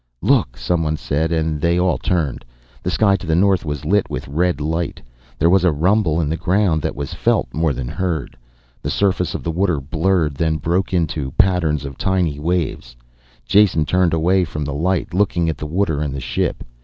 "Look " someone said, and they all turned. The sky to the north was lit with a red light. There was a rumble in the ground that was felt more than heard. The surface of the water blurred, then broke into patterns of tiny waves. Jason turned away from the light, looking at the water and the ship.